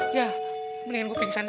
ya mendingan gw pingsan dah